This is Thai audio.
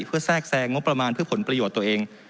เพื่อแทรกแซงงบประมาณเพื่อผลประโยชน์ตัวเอง